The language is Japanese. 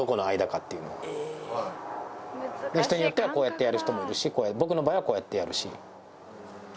人によってはこうやってやる人もいるし僕の場合はこうやってやるし。